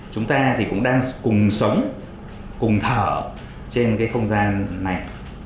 chúng ta thì cũng đang cùng sống cùng thở trên cái không gian này